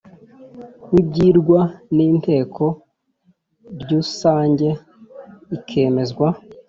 W ibyirwa n inteko rysange ukemezwa